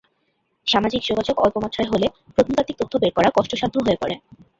সামাজিক যোগাযোগ অল্প মাত্রায় হলে প্রত্নতাত্ত্বিক তথ্য বের করা কষ্টসাধ্য হয়ে পরে।